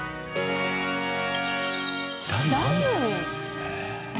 ダム！？